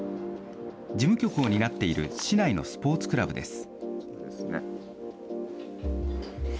事務局を担っている市内のスポーツクラブです。